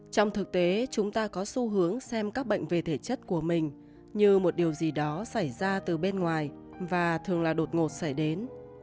trong thực tế chúng ta có xu hướng xem các bệnh về thể chất của mình như một điều gì đó xảy ra từ bên ngoài và thường là đột ngột xảy đến